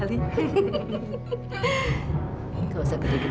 kamu lihat hari ini dia cuma kuat sampai sore